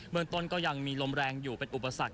เมืองต้นก็ยังมีลมแรงอยู่เป็นอุปสรรค